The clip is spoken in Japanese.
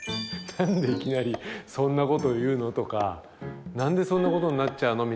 「何でいきなりそんなこと言うの？」とか「何でそんなことになっちゃうの？」